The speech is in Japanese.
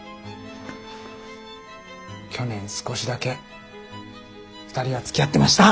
去年少しだけ２人はつきあってました。